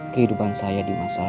kehidupan saya dimasukkan